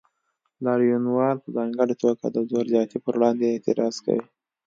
لاریونوال په ځانګړې توګه د زور زیاتي پر وړاندې اعتراض کوي.